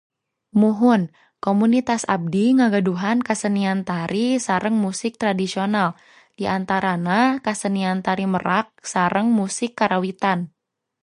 Muhun, komunitas abdi ngagaduhan kasenian tari sareng musik tradisional, di antarana kasenian tari merak sareng musik karawitan.